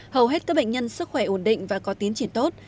hầu hết các bệnh nhân sức khỏe ổn định và có tiến triển tốt